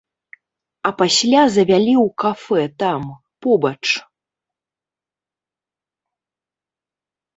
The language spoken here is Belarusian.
А пасля завялі ў кафэ там, побач.